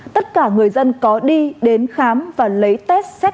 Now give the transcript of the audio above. tất cả người dân có đi đến khám và lấy test xét